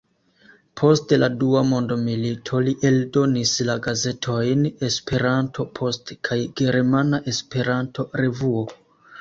Post la dua mondmilito li eldonis la gazetojn "Esperanto-Post" kaj "Germana Esperanto-Revuo.